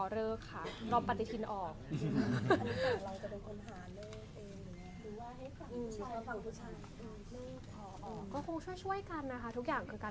เราก็แพลนกันว่าจริงอ่ะ